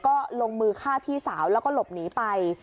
ก็ลงมือฆ่าพี่สาวแล้วก็หลบหนีไป